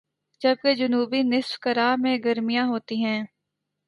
جبکہ جنوبی نصف کرہ میں گرمیاں ہوتی ہیں